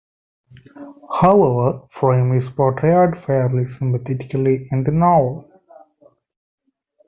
However, Frame is portrayed fairly sympathetically in the novel.